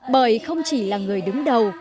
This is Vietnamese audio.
bởi không chỉ là người đứng đầu